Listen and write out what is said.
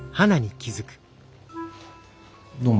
どうも。